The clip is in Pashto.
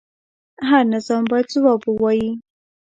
هر نظام باید ځواب ووایي